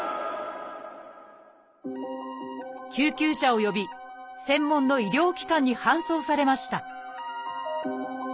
救急車を呼び専門の医療機関に搬送されました